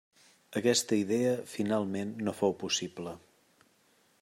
Aquesta idea finalment no fou possible.